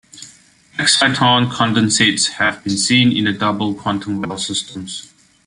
Exciton condensates have been seen in a double quantum well systems.